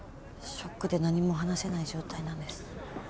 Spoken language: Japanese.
ショックで何も話せない状態なんです。